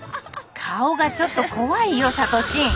顔がちょっと怖いよさとちん。